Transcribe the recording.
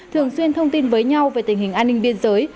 thường xuyên thông tin với nhau về tình hình an ninh biên giới